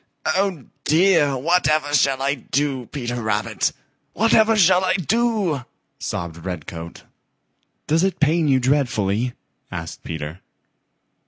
"Oh, dear, whatever shall I do, Peter Rabbit? Whatever shall I do?" sobbed Redcoat. "Does it pain you dreadfully?" asked Peter.